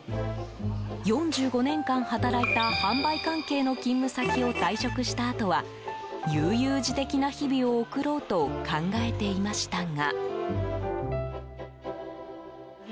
４５年間働いた販売関係の勤務先を退職したあとは悠々自適な日々を送ろうと考えていましたが。